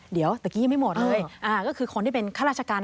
เดี๋ยวเดี๋ยวไม่หมดเลย